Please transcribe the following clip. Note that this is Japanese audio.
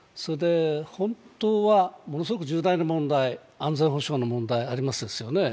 本当はものすごく重大な問題、安全保障の問題がありますよね。